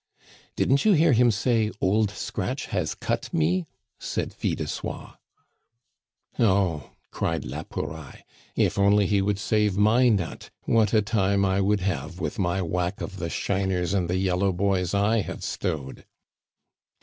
"Didn't you hear him say, 'Old Scratch has cut me'?" said Fil de Soie. "Oh!" cried la Pouraille, "if only he would save my nut, what a time I would have with my whack of the shiners and the yellow boys I have stowed."